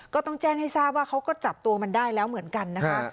ก็ต้องแจ้งให้ทราบว่าเขาก็จับตัวมันได้แล้วเหมือนกันนะคะ